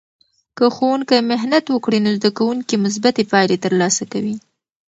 که ښوونکی محنت وکړي، نو زده کوونکې مثبتې پایلې ترلاسه کوي.